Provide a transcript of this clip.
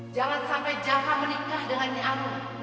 jangan sampai jaka menikah dengan nyi arum